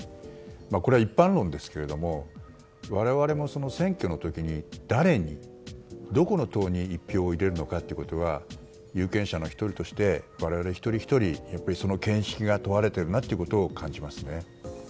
これは一般論ですけども我々も選挙の時に誰にどこの党に１票を入れるのかということは有権者の１人として我々一人ひとりその見識が問われているなと感じますね。